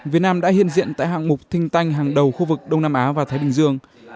việt nam đã hiện diện tại hạng mục kinh tanh hàng đầu khu vực đông nam á và thái bình dương